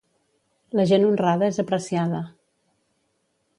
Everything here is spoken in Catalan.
La gent honrada és apreciada.